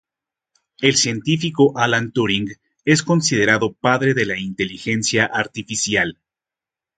El científico Alan Turing es considerado padre de la inteligencia artificial.